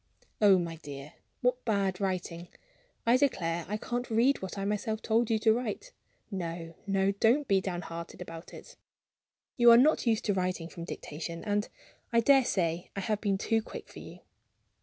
"Oh, my dear, what bad writing! I declare I can't read what I myself told you to write. No! no! don't be downhearted about it. You are not used to writing from dictation; and I daresay I have been too quick for you."